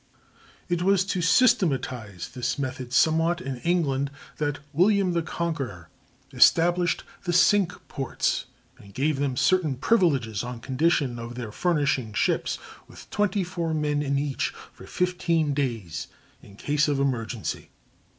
It was to systematize this method somewhat in England that William the Conqueror "established the Cinque Ports, and gave them certain privileges on condition of their furnishing 52 ships, with 24 men in each, for 15 days, in cases of emergency."